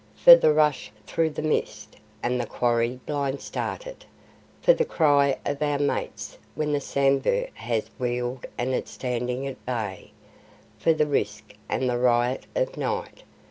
For the rush through the mist, and the quarry blind started! For the cry of our mates when the sambhur has wheeled and is standing at bay, For the risk and the riot of night!